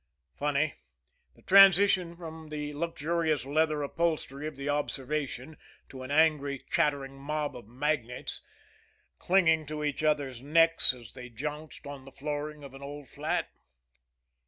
Funny, the transition from the luxurious leather upholstery of the observation to an angry, chattering mob of magnates, clinging to each others' necks as they jounced on the flooring of an old flat?